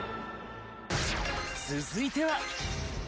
続いては。